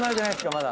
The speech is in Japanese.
まだ。